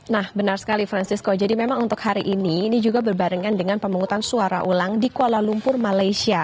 nah benar sekali francisco jadi memang untuk hari ini ini juga berbarengan dengan pemungutan suara ulang di kuala lumpur malaysia